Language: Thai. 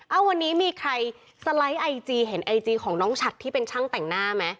เอาวันนี้มีใครสไลด์ไอจีเห็นไอจีของน้องฉัดที่เป็นช่างแต่งหน้าไหม